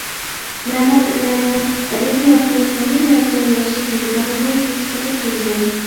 مەمەت ئۆمەرنىڭ ئەدەبىياتنى تەلۋىلەرچە ياخشى كۆرىدىغىنى ھېس قىلىپ تۇرىمەن.